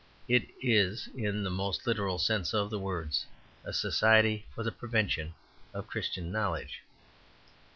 It is, in the most literal sense of the words, a society for the prevention of Christian knowledge.